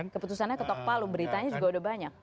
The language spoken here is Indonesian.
keputusannya ketok palu beritanya juga udah banyak